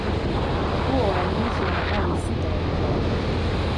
Mwaka huo, waandishi wa habari sita waliuawa.